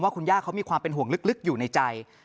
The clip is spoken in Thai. คุณย่าเขามีความเป็นห่วงลึกอยู่ในใจ